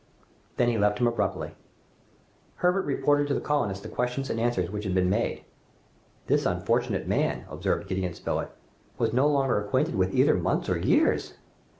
Then he left him abruptly. Herbert reported to the colonists the questions and answers which had been made. "This unfortunate man," observed Gideon Spilett, "was no longer acquainted with either months or years!"